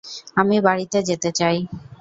আমি বাড়িতে যেতে চাই।